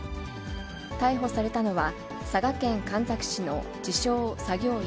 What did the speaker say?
逮捕されたのは、佐賀県神埼市の自称作業員、